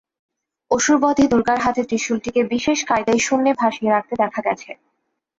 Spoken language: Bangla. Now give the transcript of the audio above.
অসুর বধে দুর্গার হাতের ত্রিশূলটিকে বিশেষ কায়দায় শূন্যে ভাসিয়ে রাখতে দেখা গেছে।